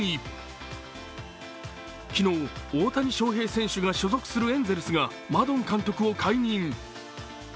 昨日大谷翔平選手が所属するエンゼルスがマドン監督を解任。